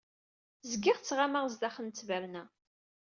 Zgiɣ ttɣamaɣ zdaxel n ttberna.